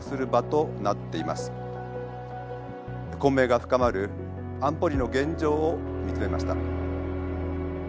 混迷が深まる安保理の現状を見つめました。